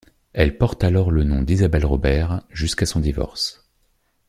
Elle porte alors le nom d'Isabelle Robert, jusqu'à son divorce.